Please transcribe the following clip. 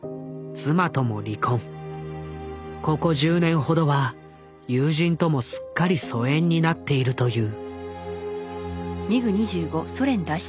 ここ１０年ほどは友人ともすっかり疎遠になっているという。